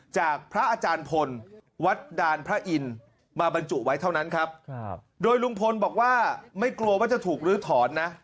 จากพระอาจารย์พลวัดดานพระอินทร์มาบรรจุไว้เท่านั้นครับโดยลุงพลบอกว่าไม่กลัวว่าจะถูกลื้อถอนนะ